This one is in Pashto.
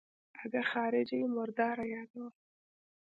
اگه خارجۍ مرداره يادوم.